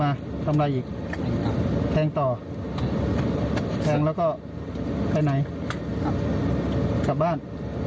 มาคำอะไรอีกแทงต่อและก็ไปไรครับกลับบ้าน